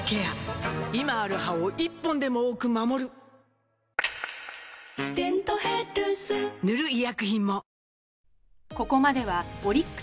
今ある歯を１本でも多く守る「デントヘルス」塗る医薬品も